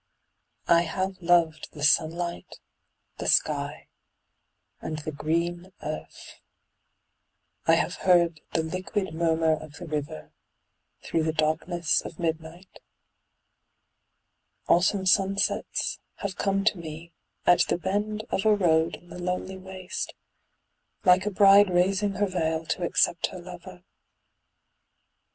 I have loved the sunlight, the sky and the green earth; I have heard the liquid murmur of the river through the darkness of midnight; Autumn sunsets have come to me at the bend of a road in the lonely waste, like a bride raising her veil to accept her lover.